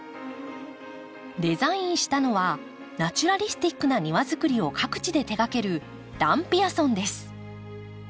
デザインしたのはナチュラリスティックな庭づくりを各地で手がけるダン・ピアソンです。